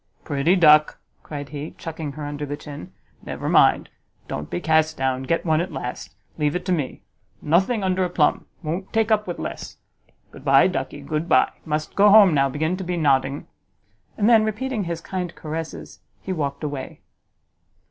"Pretty duck!" cried he, chucking her under the chin; "never mind, don't be cast down; get one at last. Leave it to me. Nothing under a plum; won't take up with less. Good by, ducky, good by! must go home now, begin to be nodding." And then, repeating his kind caresses, he walked away.